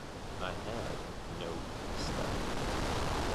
I had no style.